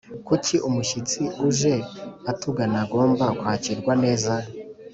Kuki umushyitsi uje atugana agomba kwakirwa neza?